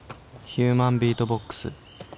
ヒューマンビートボックス。